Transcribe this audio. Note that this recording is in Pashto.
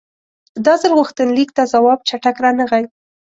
دا ځل غوښتنلیک ته ځواب چټک رانغی.